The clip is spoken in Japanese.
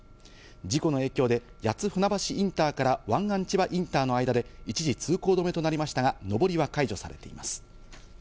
事故の影響で、谷津船橋インターから湾岸千葉インターの間で一時通行止めとなりましたが、上りは解除されています。